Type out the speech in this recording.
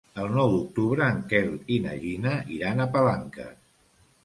El nou d'octubre en Quel i na Gina iran a Palanques.